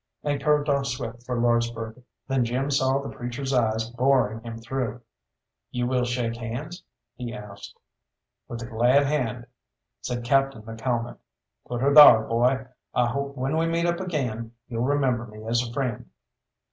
and curved off swift for Lordsburgh. Then Jim saw the preacher's eyes boring him through. "You will shake hands?" he asked. "With a glad hand," said Captain McCalmont. "Put her thar, boy! I hope when we meet up again you'll remember me as a friend."